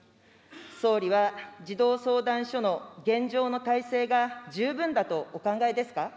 総理は児童相談所の現状の体制が十分だとお考えですか。